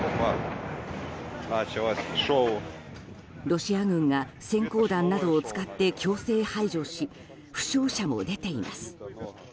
ロシア軍が閃光弾などを使って強制排除し負傷者も出ています。